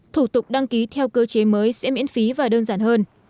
thủ tục đăng ký theo cơ chế mới sẽ miễn phí và đơn giản hơn